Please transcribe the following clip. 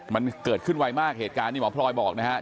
มันเกิดขึ้นไวมากเหตุการณ์นี้หมอพลอยบอกนะครับ